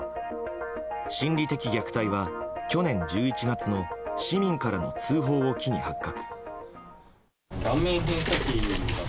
心理的虐待は去年１１月の市民からの通報を機に発覚。